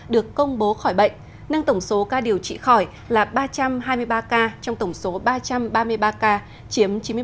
được công bố khỏi bệnh nâng tổng số ca điều trị khỏi là ba trăm hai mươi ba ca trong tổng số ba trăm ba mươi ba ca chiếm chín mươi một